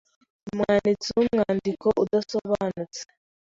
umwanditsi wumwandiko udasobanutse